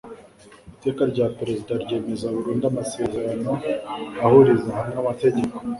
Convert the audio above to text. iteka rya perezida ryemeza burundu amasezerano ahuriza hamwe amategeko